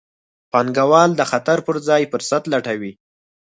پانګوال د خطر پر ځای فرصت لټوي.